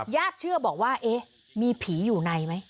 ญาติเชื่อบอกว่าเอ๊ะมีผีอยู่ในไหม